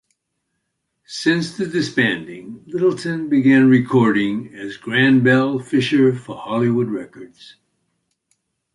Since the disbanding, Littleton began recording as Gran Bel Fisher for Hollywood Records.